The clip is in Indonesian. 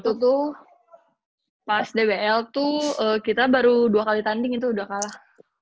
tuh pas dbl tuh kita baru dua kali tanding itu udah kalah